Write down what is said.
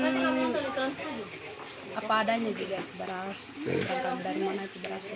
beras itu dari mana